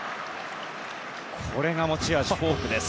これが持ち味のフォークです。